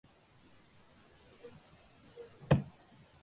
இப்படியாகத் தமிழ்நாட்டில் காங்கிரஸ் அல்லோல கல்லோலப்பட்டது.